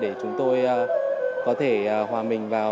để chúng tôi có thể hòa mình vào